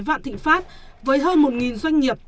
vạn thịnh pháp với hơn một doanh nghiệp